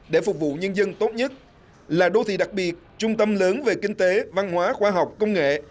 để phục vụ nhân dân tốt nhất là đô thị đặc biệt trung tâm lớn về kinh tế văn hóa khoa học công nghệ